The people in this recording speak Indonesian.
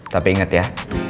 tapi inget ya